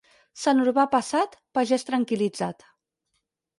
Sant Urbà passat, pagès tranquil·litzat.